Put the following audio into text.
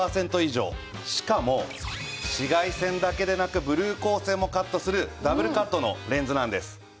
しかも紫外線だけでなくブルー光線もカットするダブルカットのレンズなんです。